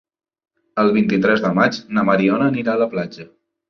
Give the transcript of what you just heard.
El vint-i-tres de maig na Mariona anirà a la platja.